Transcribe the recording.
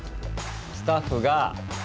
スタッフが。